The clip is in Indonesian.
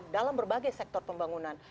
dalam berbagai sektor pembangunan